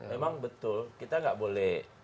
memang betul kita nggak boleh